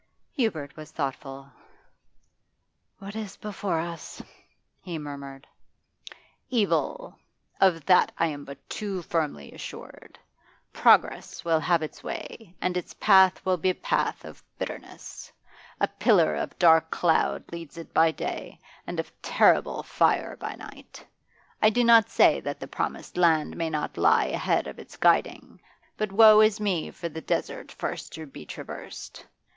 Hubert was thoughtful. 'What is before us?' he murmured. 'Evil; of that I am but too firmly assured. Progress will have its way, and its path will be a path of bitterness. A pillar of dark cloud leads it by day, and of terrible fire by night. I do not say that the promised land may not lie ahead of its guiding, but woe is me for the desert first to be traversed!